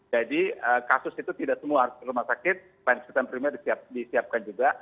jadi kasus itu tidak semua rumah sakit layanan sistem primat disiapkan juga